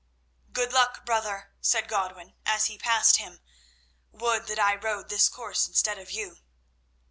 "Good luck, brother," said Godwin, as he passed him. "Would that I rode this course instead of you."